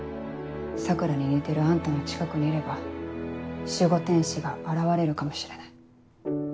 桜に似てるあんたの近くにいれば守護天使が現れるかもしれない。